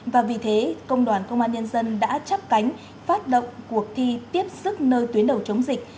và vì thế công đoàn công an nhân dân đã chấp cánh phát động cuộc thi tiếp sức nơi tuyến đầu chống dịch